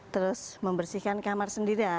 terus membersihkan kamar sendiri